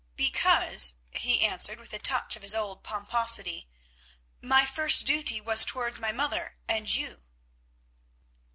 "Because," he answered with a touch of his old pomposity, "my first duty was towards my mother and you."